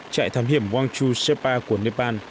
trại thám hiểm wangchu shepa của nepal